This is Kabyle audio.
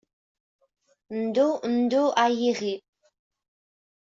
Ndu, ndu ay iɣi.